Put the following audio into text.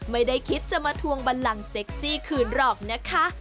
ไม่ได้คิดจะมาทวงบันลังเซ็กซี่คืนหรอกนะคะ